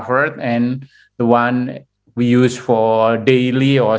perniagaan sehari atau jalanan